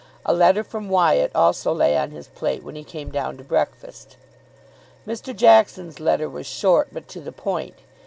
A letter from Wyatt also lay on his plate when he came down to breakfast. Mr. Jackson's letter was short, but to the point.